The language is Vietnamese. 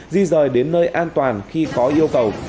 di rời đến nơi an toàn khi có yêu cầu